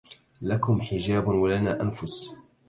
لكم حجاب ولنا أنفس